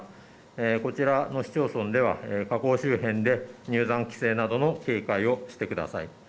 こちらの市町村では火口周辺で入山規制などの警戒をしてください。